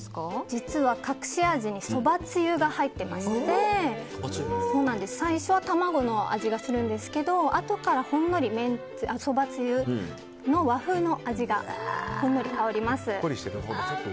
実は、隠し味にそばつゆが入っていまして最初は卵の味がするんですけどあとから、そばつゆの和風の味がほんのり香ります。